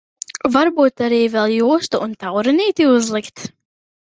Varbūt arī vēl jostu ar taurenīti uzlikt?